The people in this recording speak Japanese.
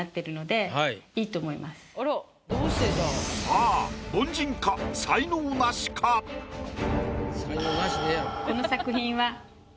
さあこの作品は。